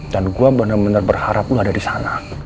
dan gue bener bener berharap lo ada disana